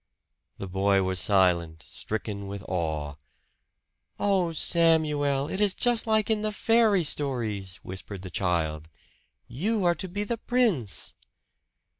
The boy was silent, stricken with awe. "Oh, Samuel, it is just like in the fairy stories!" whispered the child. "You are to be the prince!"